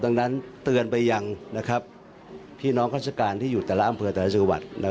ดังนั้นเตือนไปยังพี่น้องราชการที่อยู่แต่ละอำเภอแต่ละจังหวัด